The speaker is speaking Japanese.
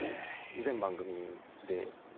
全番組で。